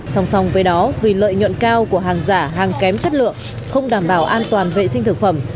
song song với đó vì lợi nhuận cao của hàng giả hàng kém chất lượng không đảm bảo an toàn vệ sinh thực phẩm